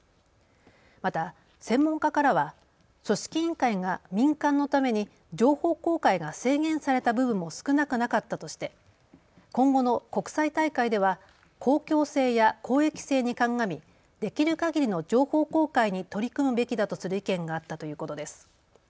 また専門家からは組織委員会が民間のために情報公開が制限された部分も少なくなかったとして今後の国際大会では公共性や公益性に鑑み、できるかぎりの情報公開に取り組むべきだとする意見があったということです。